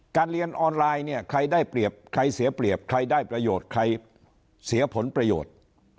เรียนออนไลน์เนี่ยใครได้เปรียบใครเสียเปรียบใครได้ประโยชน์ใครเสียผลประโยชน์